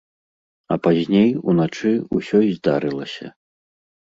А пазней, уначы, усё і здарылася.